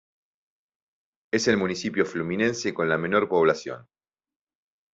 Es el municipio fluminense con la menor población.